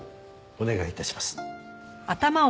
お願い致します。